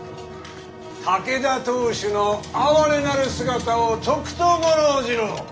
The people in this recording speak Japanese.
武田当主の哀れなる姿をとくと御覧じろう。